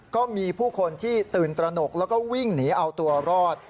ก็มีผู้คนที่ตื่นตระหนกแล้วก็วิ่งหนีเอาตัวรอด